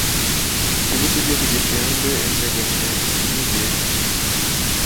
Ikigo cy'igihugu gishinzwe integanyanyigisho